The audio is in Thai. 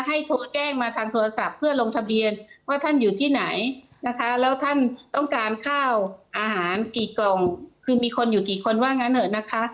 โทรแจ้งมาทางโทรศัพท์เพื่อลงทะเบียนว่าท่านอยู่ที่ไหนนะคะแล้วท่านต้องการข้าวอาหารกี่กล่องคือมีคนอยู่กี่คนว่างั้นเถอะนะคะ